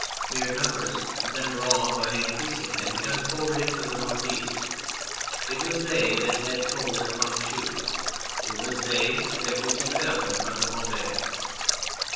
Mere numbers then raw, but in creasing, had begun to pour into the north east. It was they that had told at Hoond schoote, it was they that were to tell in front of Maubeuge.